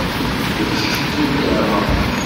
Ur d-cqint ara maḍi.